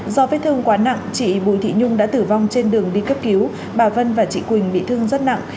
do vết thương quá nặng chị bùi thị nhung đã tử vong trên đường đi cấp cứu bà vân và chị quỳnh bị thương rất nặng